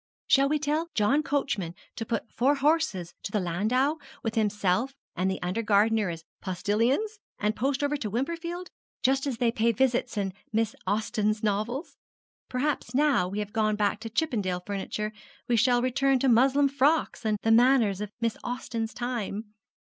Shall we tell John Coachman to put four horses to the landau with himself and the under gardener as postilions and post over to Wimperfield just as they pay visits in Miss Austin's novels? Perhaps now we have gone back to Chippendale furniture, we shall return to muslin frocks and the manners of Miss Austin's time.